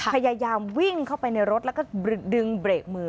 พยายามวิ่งเข้าไปในรถแล้วก็ดึงเบรกมือ